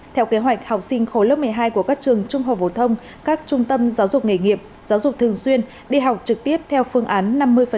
theo kế hoạch học sinh khối lớp một mươi hai của các trường trung học phổ thông các trung tâm giáo dục nghề nghiệp giáo dục thường xuyên đi học trực tiếp theo phương án năm mươi